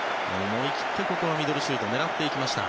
思い切ってミドルシュートで狙っていきました。